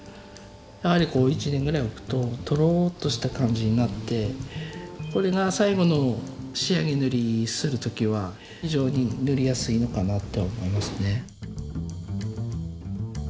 やはり１年ぐらい置くととろっとした感じになってこれが最後の仕上げ塗りする時は非常に塗りやすいのかなって思いますね。